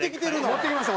持ってきました。